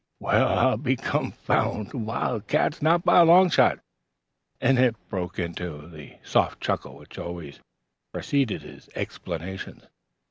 "Well, I'll be confounded! Wildcats! Not by a long shot;" and Eph broke into the soft chuckle which always preceded his explanations.